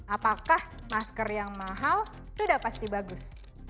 apakah masker yang mahal sudah pasti bagus